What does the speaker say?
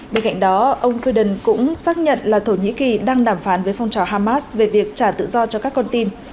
bên cạnh đó ông fid cũng xác nhận là thổ nhĩ kỳ đang đàm phán với phong trào hamas về việc trả tự do cho các con tin